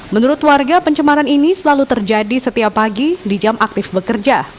menurut warga pencemaran ini selalu terjadi setiap pagi di jam aktif bekerja